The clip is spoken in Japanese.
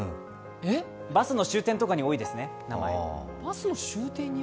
バスの終点とかに多いですね。